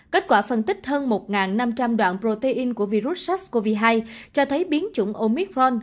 kết quả phân tích hơn một năm trăm linh đoạn protein của virus sars cov hai cho thấy biến chủng omic ron